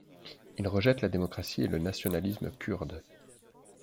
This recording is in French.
Il rejette la démocratie et le nationalisme kurde.